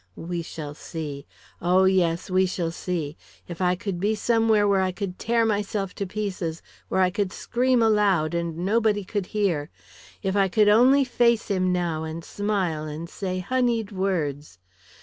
We shall see; oh, yes, we shall see. If I could be somewhere where I could tear myself to pieces, where I could scream aloud and nobody could hear! If I could only face him now and smile and say honeyed words!